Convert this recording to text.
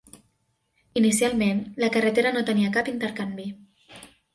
Inicialment, la carretera no tenia cap intercanvi.